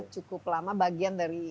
cukup lama bagian dari